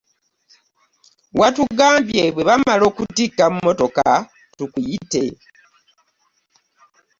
Watugambye bwe bamala okutikka mmotoka tukuyite.